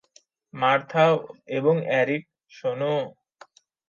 Martha এবং Eric, শোনো!